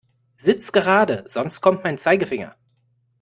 Sitz gerade, sonst kommt mein Zeigefinger.